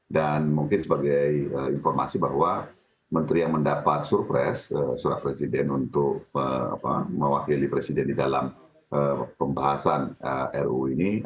dan mungkin sebagai informasi bahwa menteri yang mendapat surprise surat presiden untuk mewakili presiden di dalam pembahasan ruu ini